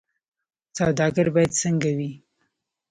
سوداګر باید څنګه وي؟